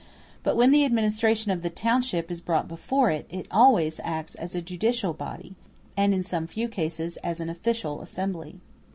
But when the administration of the township is brought before it, it always acts as a judicial body, and in some few cases as an official assembly.